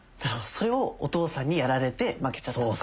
それをお父さんにやられて負けちゃったのか。